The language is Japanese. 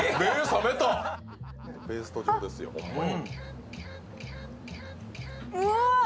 ペースト状ですよ、ホンマに。